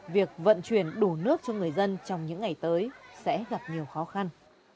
việc vận chuyển đủ nước cho người dân trong những ngày tới sẽ gặp nhiều khó khăn